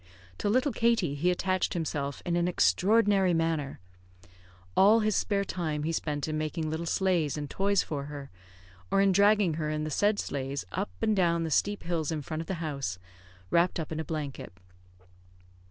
To little Katie he attached himself in an extraordinary manner. All his spare time he spent in making little sleighs and toys for her, or in dragging her in the said sleighs up and down the steep hills in front of the house, wrapped up in a blanket.